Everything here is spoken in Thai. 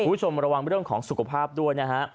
คุณผู้ชมระวังเรื่องของสุขภาพด้วยนะฮะ